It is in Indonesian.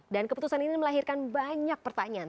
dan keputusan ini melahirkan banyak pertanyaan